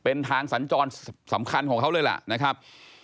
เป็นทางสัญจรสำคัญของเขาเลยล่ะนะครับ